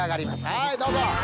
はいどうぞ。